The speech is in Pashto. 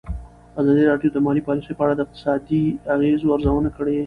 ازادي راډیو د مالي پالیسي په اړه د اقتصادي اغېزو ارزونه کړې.